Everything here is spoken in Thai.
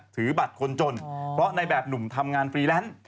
ถือบัตรคนจนเพราะในแบบหนุ่มทำงานฟรีแลนซ์